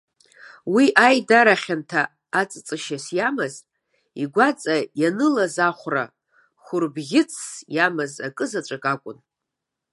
Уи аидара хьанҭа аҵыҵшьас иамаз, игәаҵа ианылаз ахәра, хәырбӷьыцс иамаз акы заҵәык акәын.